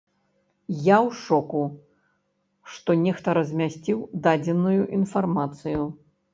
Я ў шоку, што нехта размясціў дадзеную інфармацыю.